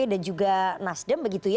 dan juga nas dem